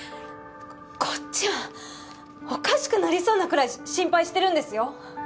こっちはおかしくなりそうなくらい心配してるんですよ